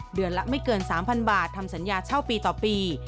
เดือนละไม่เกิน๓๐๐บาททำสัญญาเช่าปีต่อปี